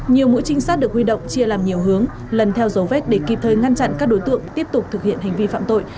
nhiều mũi trinh sát được huy động chia làm nhiều hướng lần theo dấu vết để kịp thời ngăn chặn các đối tượng tiếp tục thực hiện hành vi phạm tội